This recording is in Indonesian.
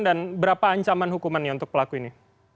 dan berapa ancaman hukumannya untuk pelaku ini